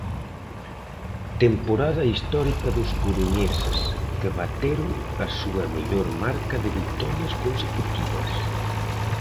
Temporada histórica dos coruñeses que bateron a súa mellor marca de vitorias consecutivas.